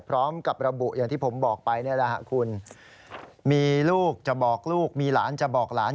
พร้อมกับระบุอย่างที่ผมบอกไปนี่แหละคุณมีลูกจะบอกลูกมีหลานจะบอกหลาน